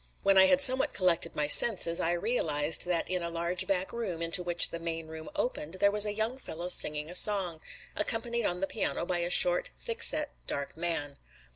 When I had somewhat collected my senses, I realized that in a large back room into which the main room opened, there was a young fellow singing a song, accompanied on the piano by a short, thickset, dark man.